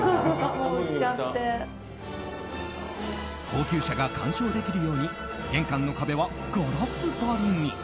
高級車が観賞できるように玄関の壁はガラス張りに。